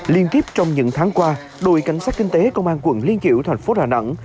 liên tiếp trong những tháng qua đội cảnh sát kinh tế công an quận liên kiểu thành phố đà nẵng